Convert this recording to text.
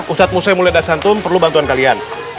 ustadz musaym mulya dasantun perlu bantuan kalian